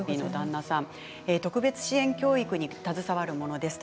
特別支援教育に携わるものです。